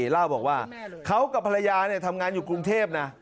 เล่าบอกว่าเขากับภรรยาทำงานอยู่กรุงเทพนะ